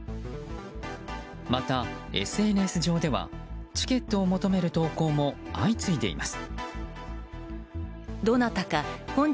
また、ＳＮＳ上ではチケットを求める投稿も相次いでいます。